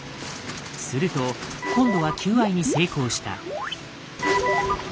すると今度は求愛に成功した。